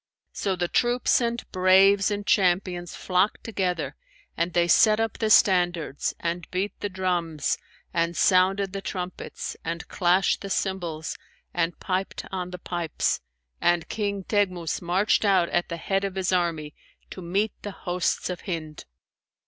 So the troops and braves and champions flocked together and they set up the standards and beat the drums and sounded the trumpets and clashed the cymbals and piped on the pipes; and King Teghmus marched out at the head of his army, to meet the hosts of Hind.